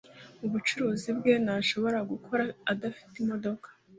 Mubucuruzi bwe, ntashobora gukora adafite imodoka.